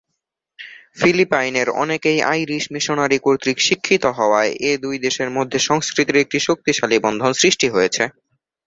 ফিলিপাইনের অনেকেই Irish missionary কর্তৃক শিক্ষিত হওয়ার এ দুই দেশের মধ্যে সংস্কৃতির একটি শক্তিশালী বন্ধন সৃষ্টি হয়েছে।